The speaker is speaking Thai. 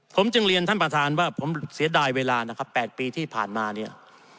ผมจึงเรียนท่านประธานว่าผมเสียดายเวลานะครับ๘ปีที่ผ่านมาเนี่ย